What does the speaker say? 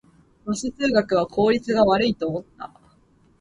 バス通学は効率が悪いと思った